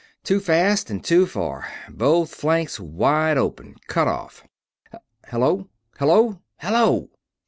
Too fast and too far both flanks wide open cut off ... Hello! Hello! Hello!"